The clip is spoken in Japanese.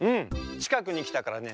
ちかくにきたからね